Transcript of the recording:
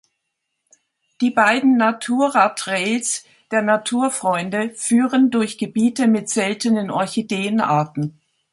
Die beiden "Natura Trails" der Naturfreunde führen durch Gebiete mit seltenen Orchideenarten.